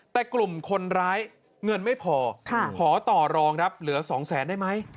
แต่กลุ่มคนร้ายเงินไม่พอขอต่อรองครับเหลือ๒แสนได้ไหม